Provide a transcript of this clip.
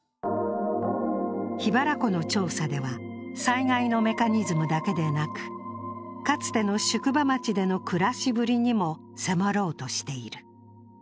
桧原湖の調査では災害のメカニズムだけでなくかつての宿場町で暮らしぶりにも迫ろうとしている。